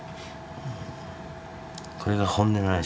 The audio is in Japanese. これが本音の話。